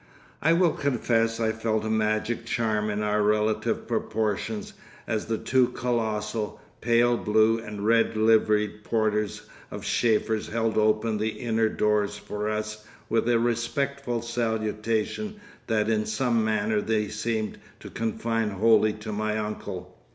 I will confess I felt a magic charm in our relative proportions as the two colossal, pale blue and red liveried porters of Schäfers' held open the inner doors for us with a respectful salutation that in some manner they seemed to confine wholly to my uncle.